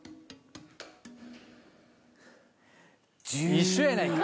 一緒やないか。